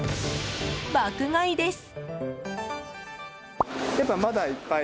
爆買いです。